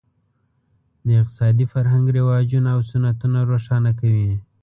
د اقتصادي فرهنګ رواجونه او سنتونه روښانه کوي.